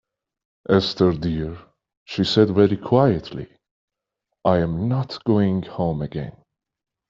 "Esther, dear," she said very quietly, "I am not going home again."